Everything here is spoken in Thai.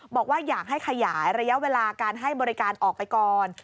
บอกว่าอยากให้ขยายระยะเวลาการให้บริการออกไปก่อน